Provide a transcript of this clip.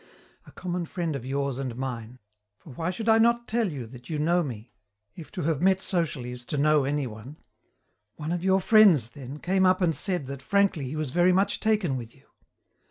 A common friend of yours and mine for why should I not tell you that you know me, if to have met socially is to "know" anyone? one of your friends, then, came up and said that frankly he was very much taken with you.